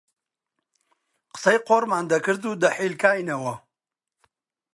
قسەی قۆڕمان دەکرد و دەحیلکاینەوە